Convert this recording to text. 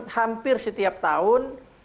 hampir setiap tahun